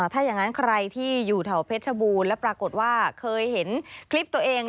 ถ้าอย่างนั้นใครที่อยู่แถวเพชรบูรณ์แล้วปรากฏว่าเคยเห็นคลิปตัวเอง